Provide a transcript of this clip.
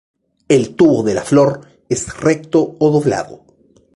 El tubo de la flor es recto o doblado.